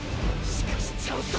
しかしチャンスだ！